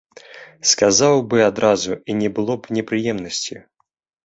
Сказаў бы адразу, і не было б непрыемнасці.